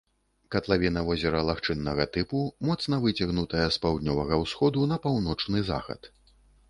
Катлавіна возера лагчыннага тыпу, моцна выцягнутая з паўднёвага ўсходу на паўночны захад.